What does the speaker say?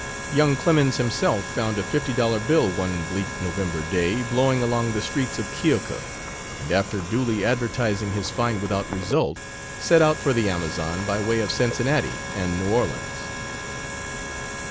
Young Clemens himself found a fifty dollar bill one bleak November day blowing along the streets of Keokuk, and after duly advertising his find without result, set out for the Amazon, by way of Cincinnati and New Orleans.